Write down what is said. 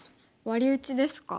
ワリ打ちですか。